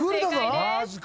マジか。